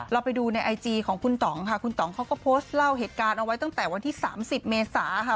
เราไปดูในไอจีของคุณต่องค่ะคุณต่องเขาก็โพสต์เล่าเหตุการณ์เอาไว้ตั้งแต่วันที่๓๐เมษาค่ะ